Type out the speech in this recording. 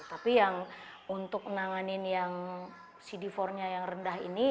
tapi yang untuk menanganin yang cd empat nya yang rendah ini